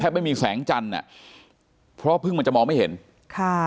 ไม่มีแสงจันทร์อ่ะเพราะพึ่งมันจะมองไม่เห็นค่ะ